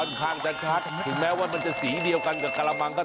ค่อนข้างจะชัดถึงแม้ว่ามันจะสีเดียวกันกับกระมังก็